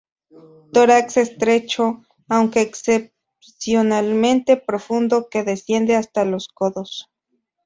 Tórax estrecho aunque excepcionalmente profundo que desciende hasta los codos.